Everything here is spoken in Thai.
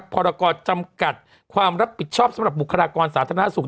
พรกรจำกัดความรับผิดชอบสำหรับบุคลากรสาธารณสุข